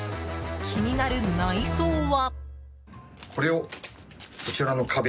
気になる内装は。